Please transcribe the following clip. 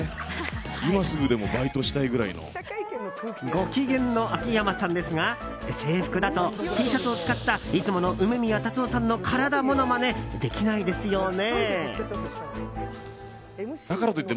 ご機嫌の秋山さんですが制服だとＴシャツを使ったいつもの梅宮辰夫さんの体ものまね、できないですよね。